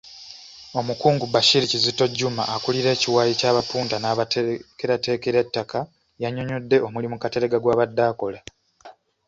Omukungu Bashir Kizito Juma akulira ekiwayi ky’abapunta n’abateekerateekera ettaka yannyonnyodde omulimu Kateregga gw’abadde akola.